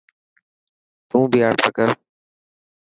تون بي آڊر ڪر.